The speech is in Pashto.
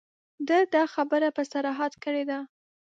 ده دا خبره په صراحت کړې ده.